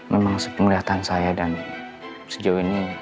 memang sepenglihatan saya dan sejauh ini